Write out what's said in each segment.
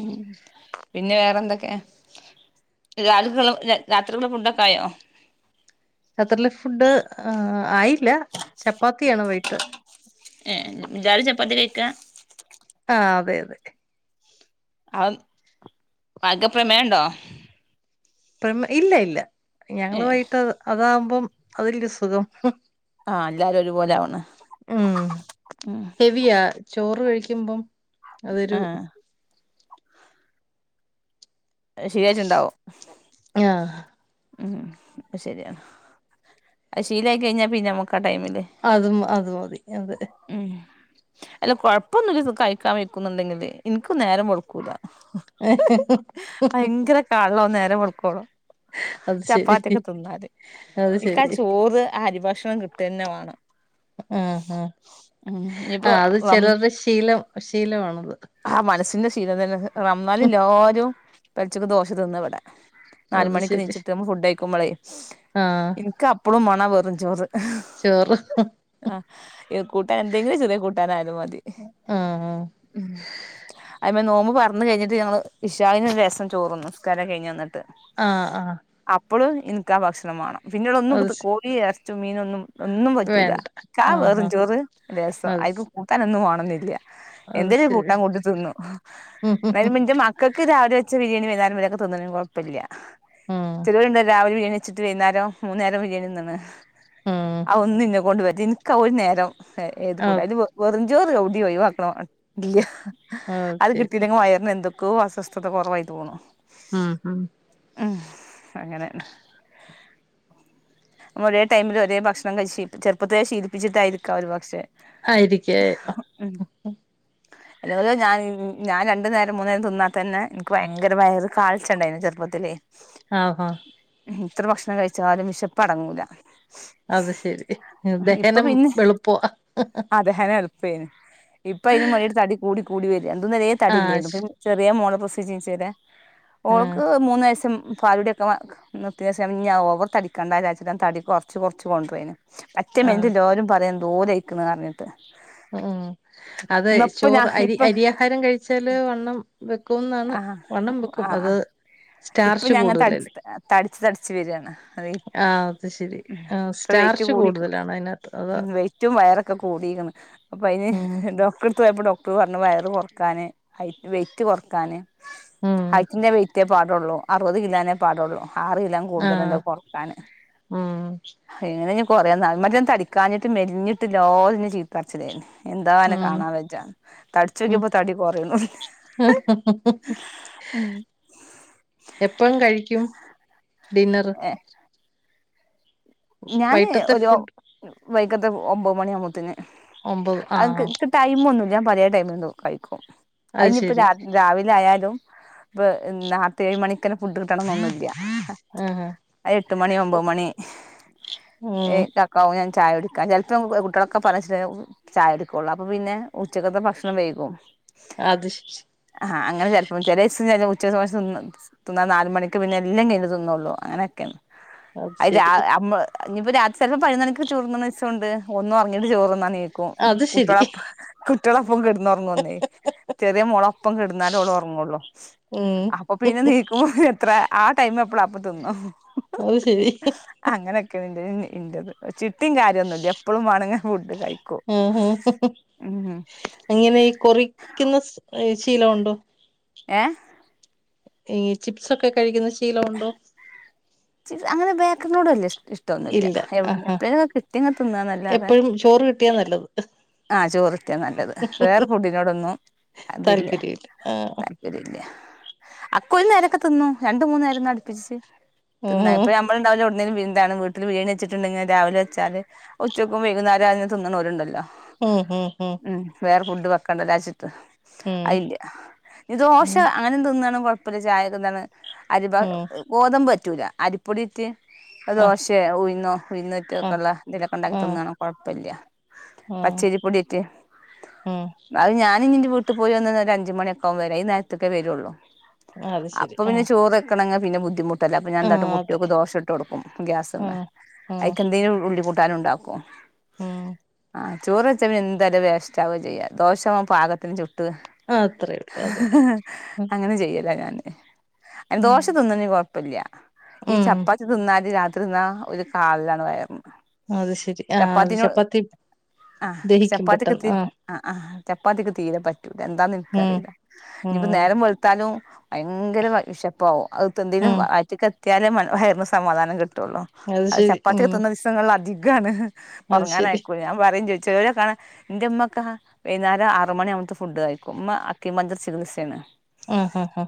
ഉം പിന്നെ വേറെന്തൊക്കെ രാത്കും രാത്രിക്കുള്ള ഫുഡ്‌ഒക്കെ ആയോ രാത്രില ഫുഡ് ആ ആയില്ല ചപ്പാത്തിയാണ് വൈകി ട്ട് ഏ ഇജ്ജാല് ചപ്പാത്തി കയിക്കാ ആ അതെ അതെ അ ആക്ക് പ്രമേയുണ്ടോ പ്രമ ഇല്ല ഇല്ല ഏ ഞങ്ങള് വൈട്ട് അതാ അപ്പം അതില് സുഖം ആ എല്ലാരും ഒരുപോലെ ആവുന്ന് ഉം ഹെവിയാ ചോറ് കഴിക്കുമ്പം അതൊരു ആ ശരിയാച്ചുണ്ടാവോ [unintelligible] ആ ഉം അപ്പ ശരിയാണ് ശീലയി കഴിഞ്ഞാൽ പിന്നെ നമുക്ക് അത് അത് മതി അതെ ഉം അല്ല കൊഴപ്പൊന്നുല്ലത് കയിക്കാൻ വെയ്ക്കുന്നുണ്ടെങ്കില് എനിക്ക് നേരം വഴ്ക്കൂല [inaudible] ഭയങ്കര കാ നേരം വെളുക്കോളൂ അത് ശരി ചപ്പാത്തിയൊക്കെ തിന്നാല് അത് ഇക്കാ ശരി ചോറ് അരിഭ ഭക്ഷണം കിട്ടന്നെ വേണം ഉം ഉം ഉം ആ ഇനിയിപ്പോ അത് റം ചെലോര്ടേ ശീലം ശീലവാണ് ആ മനസ്സിന്സ് ചിരതനസ് റന്നാലില്ലാരും പെൽച്ചെക്ക് ദോഷ തിന്ന വടെ അത് നാല്മണിക്ക് ശരി നീച്ച്ട്ട് ഫുഡയ് കുമളയ് ആ എനിക്ക് അപ്പളും മ ണ വറും ചോറ് ചോറ് [inaudible] എ കൂട്ടാൻ എന്തെങ്കിലും ചെറിയ കൂട്ടാനായാലും മതി ആ ആ അയ് [inaudible] [inaudible] [inaudible] അത് ശ- [unintelligible] [inaudible] വേണ്ട ആ ആ [unintelligible] അത് ശ- [inaudible] [inaudible] അത് ശരി [inaudible] ഉം ഉം [unintelligible] [inaudible] [inaudible] ഉം [inaudible] [inaudible] [unintelligible] ഉം ഉം [inaudible] [inaudible] ഓ [inaudible] [inaudible] [inaudible] ഓ [unintelligible] ശരി [inaudible] [inaudible] ഉം ഉം [inaudible] [inaudible] ഉം [inaudible] [inaudible] ആ ഇത്ര ഭക്ഷണം കഴിച്ചാലും വിശപ്പടങ്ങൂല അത് ശെരി ദഹനം പിന്നെ എളുപ്പവാ [unintelligible] ഇപ്പൊ [unintelligible] കൂടി കൂടി വ ഇതുവരെ ആഹ് ശ് തടില്ലേന്നു ചെറിയ മോൾ പ്ര [unintelligible] ആഹ് ഓൾക്ക് മൂന്ന് വയസും പാലുടിയൊക്കെ നിർത്തിയ സമയം ഞാൻ ഓവർ തടിക്കണ്ടാരാച്ച്ട്ടാൻ തടി കുറച്ച് കുറച്ച് കൊണ്ടോയീനെ ആഹ് [unintelligible] തോലയിക്ക്ണ് പറഞ്ഞിട്ട് ഉം അത് ഇന്നപ്പം ഞാൻ ചോറ് അരി അരിയാഹാരം കഴിച്ചാല് വണ്ണം വെക്കുംന്നാണ് ആ വണ്ണം വെക്കും ആ ആ അത് ഇപ്പൊ സ്റ്റാർച്ച് ഞാങ്ങ തടച്ച് കൂടുതലല്ലേ തട്ച്ച് തട്ച്ച് വരാണ് അത് ആഹ് അത് ശരി ആഹ് ഇപ്പ വൈറ്റ് സ്റ്റാർച്ച് കൂടി കൂടുതലാണ് അതിനകത്ത് അതാ വൈറ്റും വയറൊക്കെ കൂ [unintelligible] അപ്പൊ അതിന് ഉം ഡോക്ടർ പോയപ്പോൾ ഡോക്ടർ പറഞ്ഞു വയറ്കുറക്കാൻ ഹൈറ്റ് വൈറ്റ് കുറ [unintelligible] ഉം ഹൈറ്റ്ന്റെ വൈറ്റേ പാടോള്ളു അറുപത് കലോനേ പാടുള്ളൂ ആറിലോകൂടുതല്ണ്ട് ആഹ് കൊറക്കാൻ ഉം ഇങ്ങനെ കുറേ നാൾ മറ്റേതടിക്കാഞ്ഞിട്ട് മെലിഞ്ഞിട്ട്ല്ലാരും ന്നെ ചീത്ത പറിച്ചലേനി എന്താ അന്നെ ഉം കാണാ വജ്ജാ തടിച്ചോക്ക്യപ്പോ തടി കൊറയണുല്ല എപ്പളും കഴിക്കും ഡിന്നർ ഏഹ് ഞാന് ഒരു ഫുഡ് വൈകത്ത ഒമ്പത് മണിയാവു ഒമ്പത് അ ൻക്ക് ആഹ് ക്ക് ടൈംന്നുല്ല ഞാൻ പലേ ടൈമ ോ അത് അതിഞ്ഞിപ്പ ശെരി രാവിലെ ആയാലും ഇപ്പ [unintelligible] ഫുഡ് കിട്ടണന്നൊന്നുല്ല ആഹ് അത്എട്ട് മണി ഒമ്പത് മണി ഉം തക്കവുംഞാൻ ചായ എടുക്കൻ ചിലപ്പം കുട്ടികളൊക്കെ പറഞ്ഞ ചായ എടുക്കുള്ളൂ അപ്പൊ പിന്നെ ഉച്ചക്കത്തെ ഭക്ഷണം വൈകും അത് ശരി ആഹ അങ്ങനെ ചെലപ്പോ ചെിലസ ഉച്ച സമയം തിന്നാ ൽ നാല മണക്ക് പിന്നെ എല്ലാം കഴിഞ് തിന്നുകള്ളൂ അങ്ങനെയൊക്കെയാണ് അത് ആ അമ്മ ഇനിയിപ്പോ രാത് ചിലപ്പോ പഴിനക്ക ചോർന്നന്ന്ംണ്ട് ഒന്നുംറങ്ങിട്ട് ചോറന്ന അത് ശരി കുട്ടള പ്പം കെടന്ന് ഉറങ്ങന്നേ ചെറിയ മുോള ഒപ്പം കിടുന്നാലുംള ഉറങ്ങള്ളൂ ഉം അപ്പൊ പിന്നെ നീക്കുമ്പോ എത്ര ആ ടൈം എപ്പള അപ്പ തിന്നും അത് ശരി അങ്ങനെ ചിട്ടിയും കാര്യമൊന്നുമ ഇല്ല എപ്പോഴും വണങ്ങെ ഫുഡ് കഴ ആ അങ്ങനെ കൊറിക്കുന്ന ശീലം ഉണ്ടോ ഏ ഈ ചിപ്സക്കൊ കഴിക്കുന്നതുശീലമുണ്ടോ ല്ല അങ്ങനെ ബേക്കറിനോട് വല്യ ഷ് ഇഷ്ടൊന്നുമല്ല ഇല്ല എവ് ആഹാ എപ്പളേം കിട്ട്യാങ്ങ തിന്നന്നല്ലാതെ എപ്പഴും ചോറ് കിട്ടിയാ നല്ലത് ആ ചോറ്ട്ട്യാ നല്ലത് വേറെ ഫുഡ്‌ നോടൊന്നും അതില്ല താല്പര്യല്ല ആഹ് താല്പര്യ ഇല്ല അക്കൊരുനേരൊക്കെ തിന്നും രണ്ട് മൂന്ന് നേരംന്ന് അടിപ്പിച്ചിച്ച് ഉം തിന്ന ഇപ്പൊ ഞമ്മള്ണ്ടാവല്ലോ ന്തും എന്താണ് വീട്ടിൽ ബിരിയാണി വെച്ചിട്ടുണ്ടെങ്കിൽ രാവിലെ വച്ചാല് ഉച്ചയ്ക്കും വൈകുന്നരം അതെന്നെ തിന്ന്ണോരുണ്ടല്ലോ ഉം ഉം ഉം വേറെ ഫുഡ് വെക്കണ്ട രാജി ഉം അയില്ല ഇ ദോശ ഉം അങ്ങനെ എന്തോ ഒന്നാണ് പ്പ ചായൊക്കെന്താണ് അരിപ ഉം ഗോതമ്പ് പറ്റൂല അരിപ്പൊടിയിട്ട് അത് ആഹ് ദോശേ ഉഴ്ന്നോ ഉഴന്നിറ്റ ഒക്കെ ആഹ് ഉള്ള ന്തെലൊക്കെ ഉണ്ടാക്കി ആഹ് തിന്നണം കുഴപ്പമില്ല ആഹ് പച്ചേരിപ്പൊടിട്ട് അത് ഞാൻ അനി ഇന്റെ വീട്ടിൽ പോയി വന്ന് ഒരു അഞ്ച് മണിയൊക്കെവും വരാൻ ഈ നേരത്തേക്കെ വരുള്ളൂ ആഹ് അത് ശരി അപ്പൊ പിന്നെ ആഹ് ചോർക്കണ പിന്നെ ബുദ്ധിമുട്ട് അപ്പൊ ഞാ ആഹ് ന്താട്ടും അതെ കുട്ട്യാൾക്ക് ദോഷ പുട്ട് കൊടുക്കും ഗ്യാസ്ന്ന് ആഹ് ആഹ് അക്കെന്തേം ഉള്ളിട്ട ട്ടാനും ണ്ടാക്കും ഉം ആ ചോറെച്ച എന്തായാലും വേസ്റ്റാവും ചെയ്യ ദോഷാവുമ്പം പാകത്തിന് ചുട്ടും ആഹ് അത്രേയുള്ളൂ അതെ ഉം അങ്ങനെ ചെയ്യല ഞാൻ അയിന് ഉം ദോഷതിന്ന്ന് കൊഴ പല്ല്യ ഈ ഉം ചപ്പാത്തി തിന്നാല് രാ തിന്നാ ഒരു കാളലാണ് വയറിന് അത് ശരി ആഹ്. അത് ചപ്പാത്തിനോട് ചപ്പാത്തി ആഹ് ദഹിക്കും ചപ്പാത്തി പെട്ടെന്ന് കെത്തി ആഹ് അ ആഹ് ചപ്പാത്തിക് തീരെ പ എന്താന്ന് ഉം ഇൻക്കറീല. ഇനിപ്പോ ഉം നേരം വെൾത്താലും ഭയങ്കര വ വെശപ്പാവും അവ് ന്തെനും ഉം അയച്കാ ട്ടിയാലെ മ വയർന് സമാധാനം കിട്ടു റ്ന്നൊ അത് ശരി ചപ്പാതെ ഉം തിന്ന ദിവസ്സങള ധികം ഗാണ് അത് ശരി ഒറങ്ങാനയക്കൊല് ആരെം ചോദിച്ച ഏ കാണ ഇന്റെമ്മൊക്ക വൈന്നേരം ആറ് മണിഅമ്ത്ത ഫുഡ് കഴിക്കും. ഇമ്മ അക്കിമഞ്ചർ ചികിത്സാണ്. ആഹാഹാ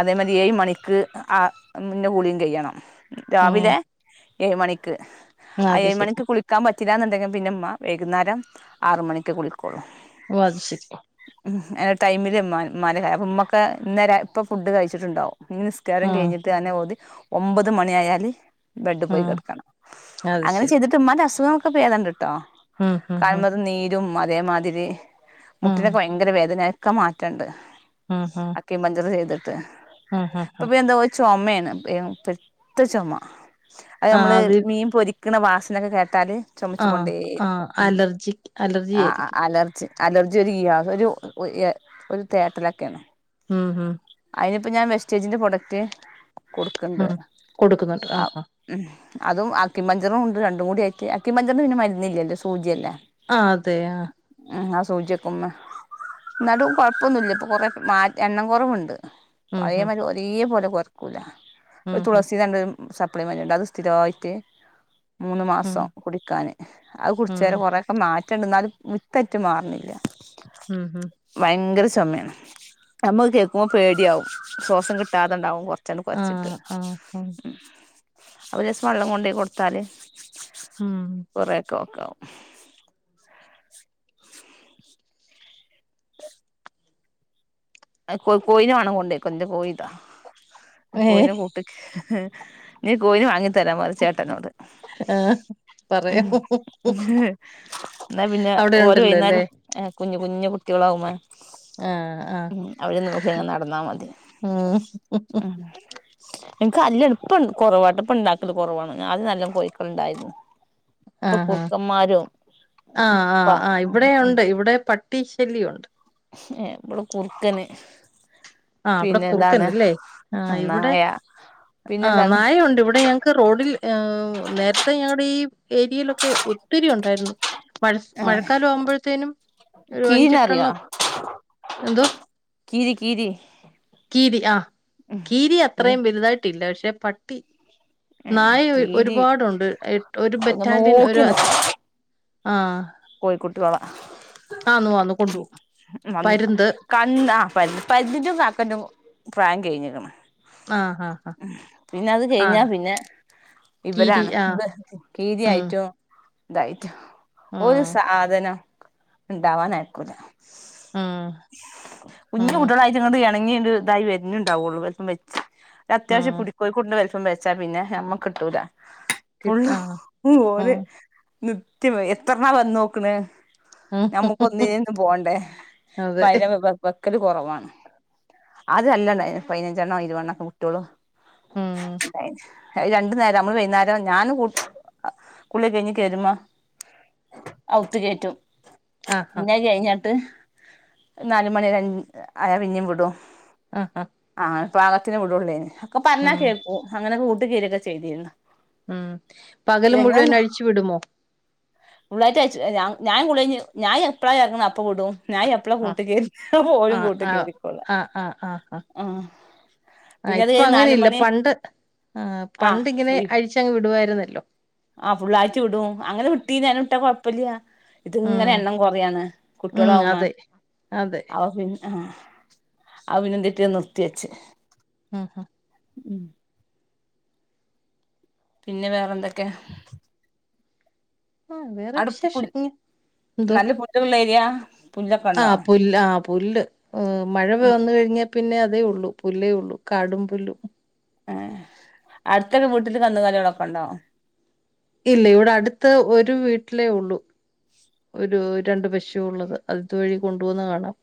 അതേ മതി. ഏഴ് മണിക്ക് ആ മുന്നെ ഉളീ കയ്യണം ഉം രാവിലേ ഏഴ് മണിക്ക് ആ അത് ഏഴ് ശരി മണിക്ക് കുളിക്കാ പ തിരാന്ന്ണ്ടെങ്കി പിന്നമ്മ വൈകുന്നേരം ആറ് മണിക്കെ കുളിക്കൊള്ളു ഓ അത് ശരി ആ ടൈമില് ഇമ്മാ ഇമ്മാനെകാരം. ഇമ്മക്ക് ഇന്നെര ഇപ്പൊ ഫുഡ് കഴിച്ചിട്ട്ണ്ടാവും ഞി നിസ്കാരം ആഹ് കഴിഞ്ഞ്ട്ട് അന്നെ ഓതി ഒമ്പത് മണി ആയാല് ബെഡ് പോയി ആഹ് കെട്ക്കണം. അത് അങ്ങനെ ശരി ചീതിട്ട് മ്മാന്റെ അസുഖം പൊ പേദണ്ട് ട്ടോ ഉം ഉം ഉം കാല്മത്തെ നീരും അ തേമാതിരി മുട്ടിനൊക്കെ വയങ്കര വേദന ക്കെ മാറ്റണ്ട് അക്കിമഞ്ചറ് ചെയ്ദ് തേഹ് ആ ഹാ ഹാ ചൊമേണ് പെ പെരുത്ത ചൊമ അത് ആഹ് ആഹ് നമ്മള് മീൻ പൊരി ക്കുന്ന വാസനൊക്കെ കേട്ടാല് ചുമച്ചു ആ ആ കൊണ്ടേയിരിക്കും ഉം അലർജിക്ക്‌ അലർജി ആ ആയിരിക്കും അലർജി അലർജി ഒരുയാ ഒരു ഏ ഒരു തേട്ടലൊക്കെയാണ് ഉം ഹും അതിനിപ്പോ ഞാൻ വെസ്റ്റേജിന്റെ പ്രോഡക്റ്റ് കൊടുക്ക്‌ണ്ട് ഉം കൊടുക്കുന്നുണ്ട് ആ ആഹ് ആഹ് ഉം അതും അക്കിമഞ്ചറും ഉണ്ട് രണ്ടും കൂടി ആയിട്ട് അക്കിമഞ്ച ന് പിന്നെ മരുന്നില്ലല്ലോ സൂചിയല്ലേ ആ തെ ആ ആ സൂചിക്കുമ എന്നാലും കുഴപ്പൊ ന്നുല്ല ഇപ്പ കുറേക്കെ എണ്ണം കുറവുണ്ട് ഉം പയേമാരി ഒരേ പോലെക്കും പോർക്കൂല ഉം ഒരു ഉം തുളസിന്റെ ണ്ട് സപ്ലൈമെന്റ് അത് സ്ഥിരാ യിട്ട് മൂന്ന് ഉം മാസം കുടിക്കാൻ അത് ഉം കുടിച്ചാ ഉം രെ കുറെ ക്കെ മാറ്റ റ്റണ്ട് എന്നാലും വിത്തറ്റ് മാറണില്ല ഉം ഉം ഭയങ്കര ചൂ ചോമാണ് നമ്മക്ക് കേൾക്കുമ്പോൾ പേടിയാവും സോസം കിട്ടാതണ്ടാവമ്പോ ച്ചാണ്ട് കൊരച്ചിട്ട് ആഹ് ആഹ് ആഹ് അവരേസം വള്ളം കൊണ്ട് കൊടുത്താ ല് ഉം കൊറേ ക്കോ വും ക്കവും [unintelligible] അധ് കോഴി കോഴിനെ വേണങ്കി കൊണ്ടായ്ക്കോ കോയിതാ ഏ കോയിനെ കൂട്ട്ക്ക്‌ നീ കോയിനെ വാങ്ങി തരാൻ പറി ചേട്ടനോട് ആഹ് പറയാമോ എന്നാ പിന്നെ അവിടെ ഓര് ഉണ്ടല്ലോ അല്ലേ വൈന്നാരം കുഞ്ഞ് കുഞ്ഞ് കു ട്ടോളാവുമ്പോ ആ ഉം അവര് നോക്കിയങ്ങ് നടന്നാ മതി ഉം ഉം ഇൻക്ക് അല്ലഎൽപ്പാണ്ട് കുറവാ ട്ട്ടോപ്പ ണ്ടാക്കല് കുറവാണ് അത് നല്ല കോഴക്കള് ഇണ്ടായിരുന്നു ആഹ ആഹ ആ ആ പ ആ ഉം ഇവിടെ ഉണ്ട് ഇവിടെ പ ട്ടീ ശല്യമുണ്ട് ഏ ഇവിടെ കുറക്കന് ആ അവിടെ കുറുക്കണ്ടല്ലേ ആ് ഇവിടെ നായ ആഹ് പിന്നെന്താണ് നായുണ്ട് ഇവിടെ ഞങ്ങക്ക് റോഡിൽ ഏ നേരത്തെ ഞങ്ങടെ ഈ ഏരിയയിലൊക്കെ ഒത്തിരി ഉണ്ടായിരുന്നു മഴ മഴക്കാലം ആവുമ്പോഴത്തേനും ഒരു കീരിന അറിയാ അഞ്ചെട്ടെണ്ണം എന്തോ കീരി കീരി കീരി ആഹ കീരി അത്രയും വലുതായിട്ടില്ല പക്ഷെ പട്ടി ഏ നായ കീരി ഒരുപാടുണ്ട് ഒരു ബറ്റാലിയൻ ഒരു നോക്കി ആഹ കോഴിക്കുട്ടകളെ ആന്ന് കൊണ്ടുപോകും പരുന്ത് [unintelligible] ഫാൻ കഴിഞ്ഞിക്കണ് ആഹ് ആഹ് ആഹ് പിന്നെ അത് കഴിഞ്ഞാ ആഹ് പിന്നെ കീരി ഇവരാണ് ആഹ് ഉം കീരിയായിട്ടും തായിട്ട് ഒരു ഉം സാധനം ഉണ്ടാവാൻ ആയിക്കോട്ടെ ഉം ഉം കുഞ്ഞുകൂട്ടികളായിച്ചങ്ങ ഇണങ്ങിയ ഒരു ഇതായി വരുന്നുണ്ടാവുള്ളൂ പ അത്യാവശ്യ ഉം പുടിക്കോയിക്കൊണ്ട് വെച്ചാ പിന്നെ നമ്മക്ക് കിട്ടൂല കിട്ട ഫുള്ളു ആഹ് ഓരെ ഉം നിത്തയമം [unintelligible] എത്രണാ വന്ന് നോക്കണ് ഉം നമ്മുക്ക് ഒന്നിനിന്നു പോണ്ടേ അതെ പന ഒക്കല് കുറവാണ് അതല്ലാണ്ട പതിനഞ്ചെണ്ണോ ഇരുവെണ്ണണം ഒക്കെ കുട്ടികളൂ ഉം [unintelligible] രണ്ടു നേരം നമ്മള് വൈകുന്നേരം ഞാൻ കുളി കഴിഞ്ഞി കയരുമ അകത്തുകേറ്റും [unintelligible] ആഹ് ആഹ് പിന്നെ അത് കഴിഞ്ഞാൽ പിന്നെ ഒരു നാലുമണി അഞ്ചയാൽ പിന്നെ വിടുമോ ആഹ്ആഹ പാകത്തിന് വിടുള്ളേന് ഒക്കെ പറഞ്ഞാ കേക്കും അങ്ങനെ കട്ട പേരൊക്കെ ചേഞ്ച്‌ ചെയ്തോ ഉം പകല് മുഴുവൻ അഴിച്ചു വിടുമോ പുള്ളള്ളായിട്ട് അയച്ച ഞൻുള്ളി ഞൻ എപ്പോഴാണ് ഇറങ്ങണം അപ്പോൾ കൊണ്ടുപോകും ഞാൻ എപ്പളെ കൂട്ട ആഹ് കേ പോലും ആഹ് കൂട്ട ആഹ് കേരിക്കോള ആഹ് ആഹ് ആഹ് ആഹ് ആ ആഹ് പിന്നെത് ഇപ്പൊ കഴിഞ്ഞഞ് നാല അങ്ങനെയില്ല മണി പണ്ട് ആഹ് ആ പണ്ടിങ്ങനെ അഴിച്ചങ്ങ് വിടുവായിരുന്നല്ലോ ആ ഫുള്ളാഴ്ച്ച വിടും അങ്ങനെ ന്നഞും [unintelligible] ഇ കുഴപ്പില്ല ഇത്ങ്ങനെ ഉം എണ്ണം കൊറയാണ് കുട്ടികള ഉം ആവുന്നേ അതെ അതെ അവ പിന്നെ ആ അവന തട്ടിയ നിർത്തി വച്ച ആഹ് ഹഹ ഉം പിന്നെ വേറെ എന്തൊക്കെ ആഹ് വേറെ അടുപ്പുൻ വിശേഷം ഇങ്ങ എന്തോ നല്ല പുല്ലുള്ള ഏരിയ പുല്ലൊക്കെ ഉണ്ടോ ആഹ് പുല്ല് ആ പുല്ല് മഴ വന്നു കഴിഞ്ഞാ പിന്നെ അതേ ഉള്ളു പുല്ലേ ഉള്ളു കാടും പുല്ലും ഏ അടുത്തൊരു വീട്ടില് കന്നുകാലികളൊക്കെ ഉണ്ടോ ഇല്ല ഇവിടെ അടുത്ത ഒരു വീട്ടിലേ ഉള്ളൂ ഒരു രണ്ട് പശു ഉള്ളത് അതു ഇത് വഴി കൊണ്ട് പോവ്ന്നകാണാം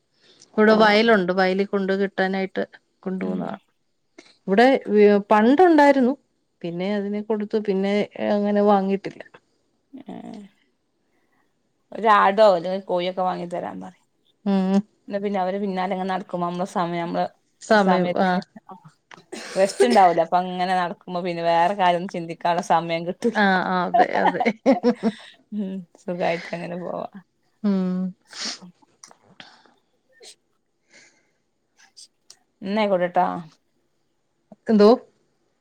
ഇവിടെ ആഹ് വയലുണ്ട് വയലി കൊണ്ട് കെ ട്ടാനായിട്ട് കൊണ്ടു ഉം പോവുന്ന കാണാ ഇവിടെ വി പണ്ട് ഉണ്ടായിരുന്നു പിന്നെ അതിനെ കൊടുത്ത് പിന്നെ അങ്ങനെ വാങ്ങിട്ടില്ല ഏ ഒരാടോ അല്ലെൽ ഒരു കോഴിയൊക്കെ വാങ്ങി തരാൻ പറി ഉം ന്ന പിന്നെ അവ രെ പിന്നാലെ ഇങ്ങെ നടക്കുമ്പോ നമ്മള സമയം നമ്മള് സമയം സമയതിന് ആഹ് ആ സ്‌ട്രസ് ഉണ്ടാവൂല അപ്പംങ്ങനെ നടക്കുമ്പം പിന്നെ വേറെ കാര്യന്നും ചിന്തിക്കാൻള്ള സമയം കിട്ടൂല്ല ആഹ് ആഹ് അതെ അതെ ഊം സുഖായിട്ട് അങ്ങനെ പോവാ ഉം ഇന്നയ്ക്കൊട്ടട്ടാ എന്തോ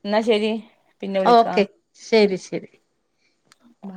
എന്നാ ശരി പിന്നെ ഓക്കെ ശരി ശരി ബാ